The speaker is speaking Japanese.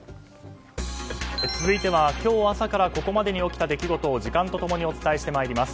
続いては今日朝からここまでに起きた出来事を時間と共にお伝えして今いります。